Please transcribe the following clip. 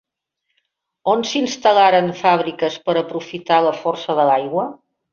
On s'instal·laren fabriques per aprofitat la força de l'aigua?